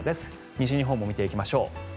西日本も見ていきましょう。